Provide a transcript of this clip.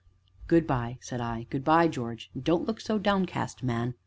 "Good by," said I, "good by, George, and don't look so downcast, man."